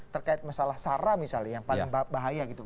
terkait masalah sara misalnya yang paling bahaya gitu